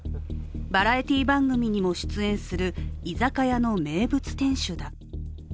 バラエティー番組にも出演する居酒屋の名物店主だ。